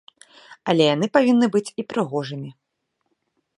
Але яны павінны быць і прыгожымі.